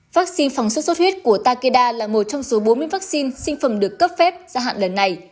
vắc xin phóng xuất xuất huyết của takeda là một trong số bốn mươi vắc xin sinh phẩm được cấp phép gia hạn lần này